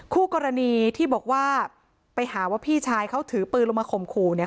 คู่กรณีที่บอกว่าไปหาว่าพี่ชายเขาถือปืนลงมาข่มขู่เนี่ย